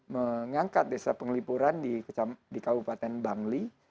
mengangkat desa penglipuran di kabupaten bangli